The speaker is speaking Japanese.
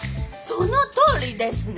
そのとおりですね！